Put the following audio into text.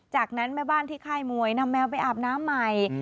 จากนั้นแม่บ้านที่ค่ายมวยนำแมวไปอาบน้ำใหม่